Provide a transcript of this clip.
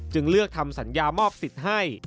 เลือกทำสัญญามอบสิทธิ์ให้